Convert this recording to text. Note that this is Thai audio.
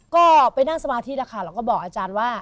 ก็ไปนั่งสมาธิแล้วค่ะแล้วก็บอกอาจารย์ว่า